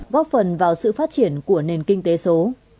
góp phần vào sự phát triển của nền kinh tế số